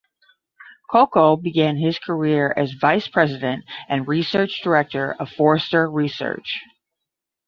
Kolko began his career as vice president and research director of Forrester Research.